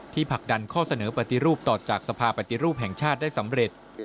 ผลักดันข้อเสนอปฏิรูปต่อจากสภาปฏิรูปแห่งชาติได้สำเร็จ